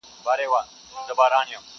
یو نفس به مي هېر نه سي زه هغه بې وفا نه یم؛